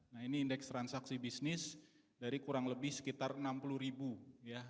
nah ini indeks transaksi bisnis dari kurang lebih sekitar enam puluh ribu ya